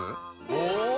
お！